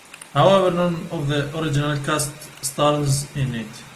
However, none of the original cast stars in it.